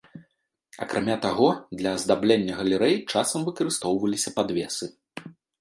Акрамя таго, для аздаблення галерэй часам выкарыстоўваліся падвесы.